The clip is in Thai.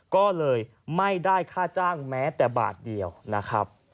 ก็เลยไม่ได้ค่าจ้างแม้แต่บาทเดียวนะครับ